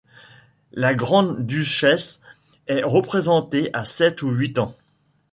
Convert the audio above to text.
La grande duchesse est représentée à sept ou huit ans.